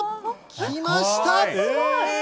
きました！